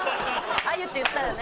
あゆっていったらね。